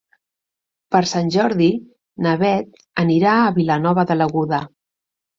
Per Sant Jordi na Bet anirà a Vilanova de l'Aguda.